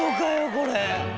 これ。